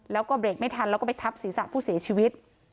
แล้วก็เบรกไม่ทันแล้วก็ไปทับศีรษะผู้เสียชีวิต